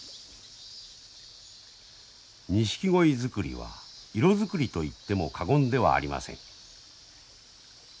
ニシキゴイ作りは色作りと言っても過言ではありません。